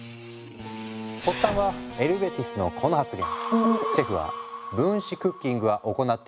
発端はエルヴェ・ティスのこの発言。